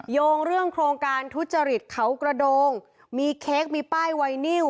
โยงเรื่องโครงการทุจริตเขากระโดงมีเค้กมีป้ายไวนิว